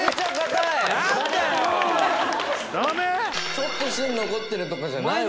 「ちょっと芯残ってるとかじゃないわ」